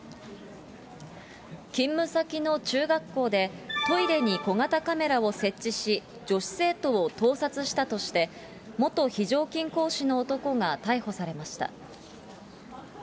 勤務先の中学校で、トイレに小型カメラを設置し、女子生徒を盗撮したとして、元非常勤講師の男が逮捕されました。